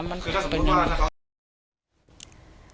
มันคือถ้าสมมุติว่านะครับ